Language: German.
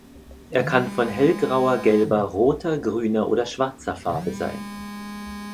Er kann von hellgrauer, gelber, roter, grüner oder schwarzer Farbe sein.